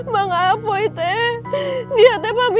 mak apa itu ya